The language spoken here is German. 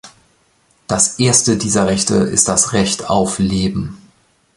Das erste dieser Rechte ist das Recht auf Leben.